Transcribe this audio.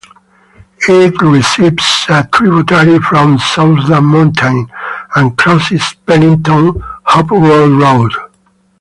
It receives a tributary from Sourland Mountain, and crosses Pennington-Hopewell Road.